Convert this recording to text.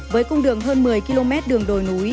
với cung đường hơn một mươi km đường đồi núi